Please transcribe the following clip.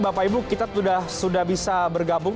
bapak ibu kita sudah bisa bergabung